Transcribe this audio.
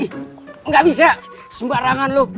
ih enggak bisa sembarangan lu